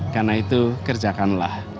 karena itu kerjakanlah